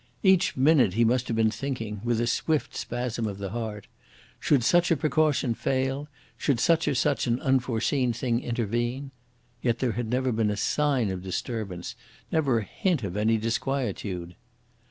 Each minute he must have been thinking, with a swift spasm of the heart, "Should such a precaution fail should such or such an unforeseen thing intervene," yet there had been never a sign of disturbance, never a hint of any disquietude.